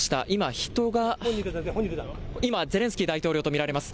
今、人が、今ゼレンスキー大統領と見られます。